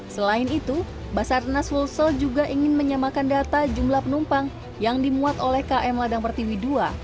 selain itu basarnas wolsal juga ingin menyamakan data jumlah penumpang yang dimuat oleh km ladang pertiwi ii